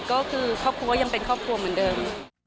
ก็คือครอบครัวยังเป็นครอบครัวเหมือนเดิม